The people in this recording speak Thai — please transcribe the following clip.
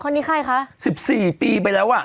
คนนี้ใครคะคนใส่แว่น๑๔ปีไปแล้วอ่ะ